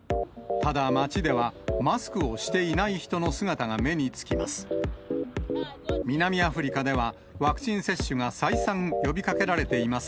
ただ、街ではマスクをしていない人の姿が目につきます。